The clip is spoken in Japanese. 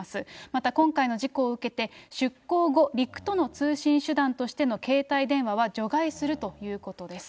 また今回の事故を受けまして、出航後、陸との通信手段としての携帯電話は除外するということです。